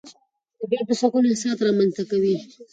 طبیعت د سکون احساس رامنځته کوي